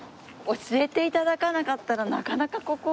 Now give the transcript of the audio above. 教えて頂かなかったらなかなかここ。